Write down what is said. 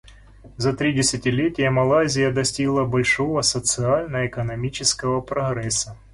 За три десятилетия Малайзия достигла большого социально-экономического прогресса.